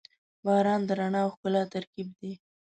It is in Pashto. • باران د رڼا او ښکلا ترکیب دی.